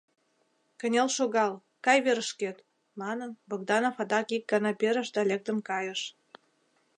Кынел шогал, кай верышкет! — манын, Богданов адак ик гана перыш да лектын кайыш.